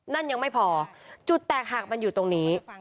นั่นยังไม่พอจุดแตกหักมันอยู่ตรงนี้